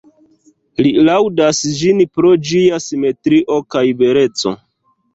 Li laŭdas ĝin pro ĝia simetrio kaj beleco.